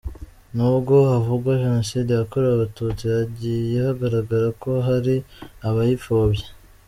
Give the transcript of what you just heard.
Nubwo havugwa Jenoside yakorewe Abatutsi hagiye hagaragara ko hari abayipfobya .